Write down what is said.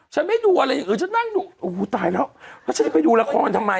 ฉันไม่ดูอะไรจะนั่งดูตายแล้วถ้าฉันได้ไปดูละครทำไม